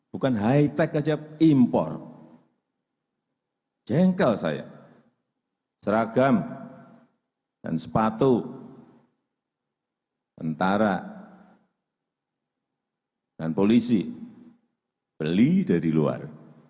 bukan high tech aja impor jengkel saya seragam dan sepatu tentara dan polisi beli dari luar